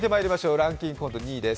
ランキング２位です。